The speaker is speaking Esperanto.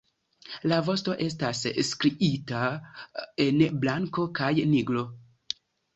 La vosto estas striita en blanko kaj nigro.